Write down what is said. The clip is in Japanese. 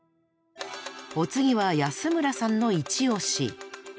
お次は安村さんのイチ推し。